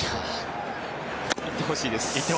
行ってほしいです。